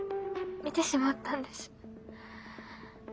見てしまったんです。